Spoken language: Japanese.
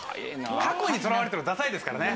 過去にとらわれてるのダサいですからね。